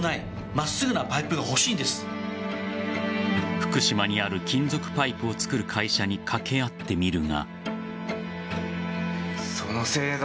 福島にある金属パイプを作る会社に掛け合ってみるが。